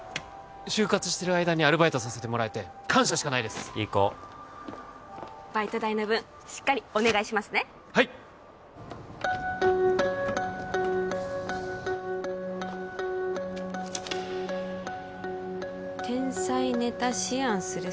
就活してる間にアルバイトさせてもらえて感謝しかないですいい子バイト代の分しっかりお願いしますねはいっ天才ネタ思案する